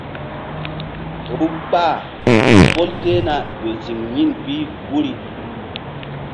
Vbukpa pol tehna ƴo ziŋ yin bi guri.